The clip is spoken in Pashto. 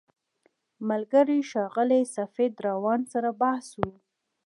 ملګري ښاغلي سفید روان سره بحث و.